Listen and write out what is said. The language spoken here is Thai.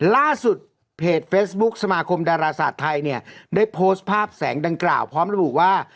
ล่าสุดเพจเฟซบุ๊คสมาคมดาราศาสตร์ไทยเนี่ยได้โพสต์ภาพแสงดังกล่าวพร้อมระบุว่า